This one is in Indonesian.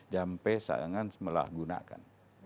sampai saya ingin melahgunakan